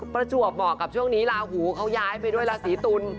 ประจวบเหมาะกับช่วงนี้ลาหูเขาย้ายไปด้วยราศีตุล